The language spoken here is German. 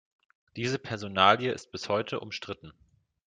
Diese Personalie ist bis heute umstritten.